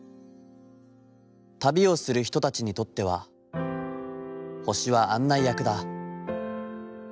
旅をする人たちにとっては、星は案内役だ。